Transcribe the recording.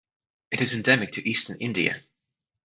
It is endemic to eastern India.